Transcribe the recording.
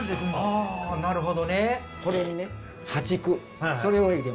あなるほどね。